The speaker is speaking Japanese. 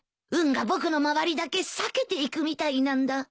運が僕の周りだけ避けていくみたいなんだ。